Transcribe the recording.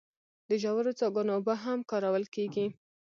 د ژورو څاګانو اوبه هم کارول کیږي.